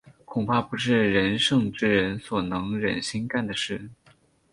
恐怕不是仁圣之人所能忍心干的事。